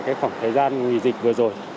khoảng thời gian nguy dịch vừa rồi